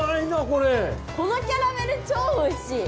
このキャラメル超おいしい！